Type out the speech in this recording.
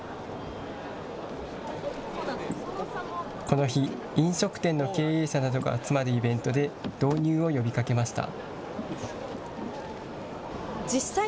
この日、飲食店の経営者などが集まるイベントで導入を呼びかけました。